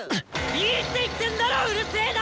いいって言ってんだろウルセーな！